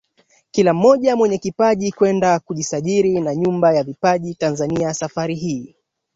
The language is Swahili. kila mmoja mwenye kipaji kwenda kujisajiri na nyumba ya vipaji Tanzania safari hii